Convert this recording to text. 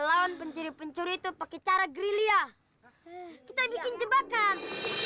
lawan pencuri pencuri itu pakai cara grill ya kita bikin jebakan